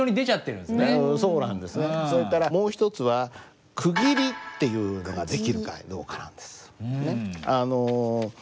それからもう一つは「区切り」っていうのができるかどうかなんです。